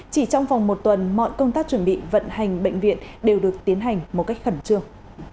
chỉ trong vòng một tuần mọi công tác chuẩn bị vận hành bệnh viện đều được tiến hành một cách khẩn trương